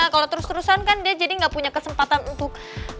kalau terus terusan kan dia jadi nggak punya kesempatan untuk